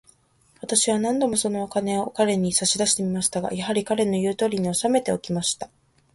私は何度も、そのお金を彼に差し出してみましたが、やはり、彼の言うとおりに、おさめておきました。